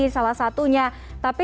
salah satunya tapi